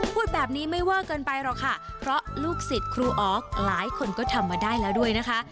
พูดแบบนี้ไม่เวอร์เกินไปหรอกค่ะเพราะลูกศิษย์ครูอ๋อหลายคนก็ทำมาได้แล้วด้วยนะคะ